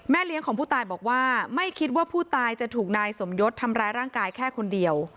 เลี้ยงของผู้ตายบอกว่าไม่คิดว่าผู้ตายจะถูกนายสมยศทำร้ายร่างกายแค่คนเดียว